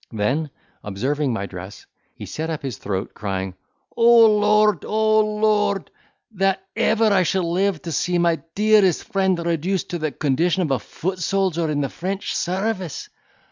Then, observing my dress, he set up his throat, crying, "O Lord! O Lord! that ever I should live to see my dearest friend reduced to the condition of a foot soldier in the French service!